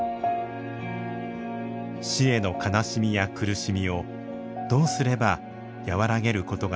死への悲しみや苦しみをどうすれば和らげることができるのか。